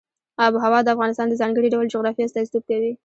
آب وهوا د افغانستان د ځانګړي ډول جغرافیه استازیتوب کوي.